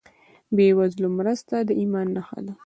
بېوزله مرسته د ایمان نښه ده.